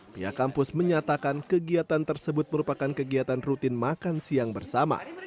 pihak kampus menyatakan kegiatan tersebut merupakan kegiatan rutin makan siang bersama